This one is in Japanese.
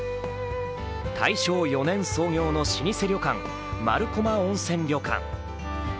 大正４年創業の老舗旅館丸駒温泉旅館。